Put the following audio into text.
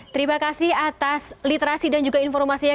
terima kasih atas literasi dan juga informasinya